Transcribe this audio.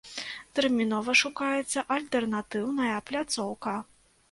Тэрмінова шукаецца альтэрнатыўная пляцоўка.